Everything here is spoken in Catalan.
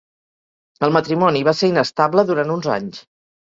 El matrimoni va ser inestable durant uns anys.